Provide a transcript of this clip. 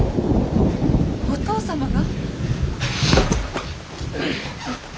お義父様が！？